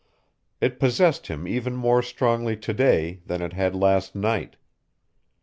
It possessed him even more strongly to day than it had last night.